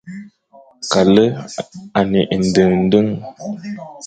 Kale à ne éndendem,